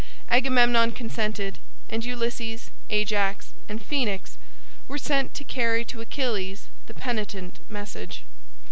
Agamemnon consented, and Ulysses, Ajax, and Phoenix were sent to carry to Achilles the penitent message.